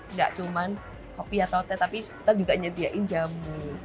nggak cuman kopi atau teh tapi kita juga nyediain jamu